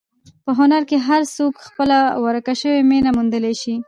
په هنر کې هر څوک خپله ورکه شوې مینه موندلی شي.